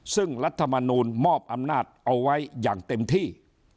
ซึ่งรัฐมนูลมอบอำนาจเอาไว้อย่างเต็มที่